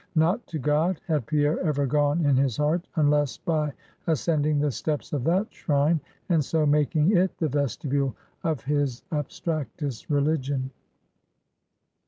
Not to God had Pierre ever gone in his heart, unless by ascending the steps of that shrine, and so making it the vestibule of his abstractest religion.